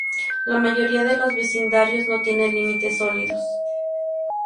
La mayoría de los vecindarios no tienen límites sólidos.